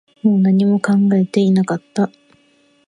もう何も考えていなかった